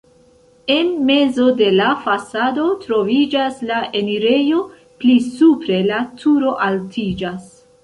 En mezo de la fasado troviĝas la enirejo, pli supre la turo altiĝas.